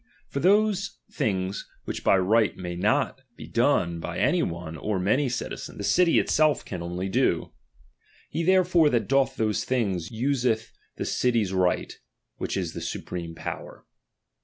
For those things •which by right may not be done by any one or many citizens, the city itself can oidy do. He ■therefore that doth those things, useth the city's right ; which is the supreme power.